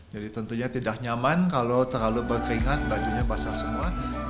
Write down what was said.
jadi tentunya tidak nyaman kalau terlalu berkeringat bajunya basah semua